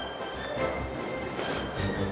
gak ada bantuan